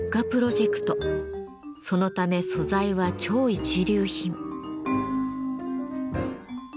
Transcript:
そのため素材は超一流品。